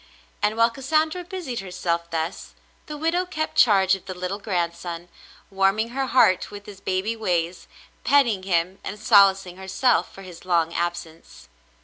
And while Cassandra busied herself thus, the widow kept charge of the little grandson, warm ing her heart with his baby ways, petting him and solacing herself for his long absence.